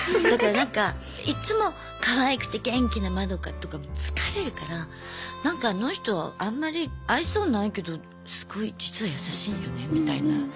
だからなんかいっつもかわいくて元気なマドカとか疲れるからなんかあの人あんまり愛想ないけどすごい実は優しいよねみたいな。